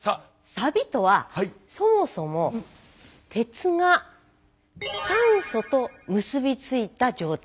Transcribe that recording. サビとはそもそも鉄が酸素と結び付いた状態。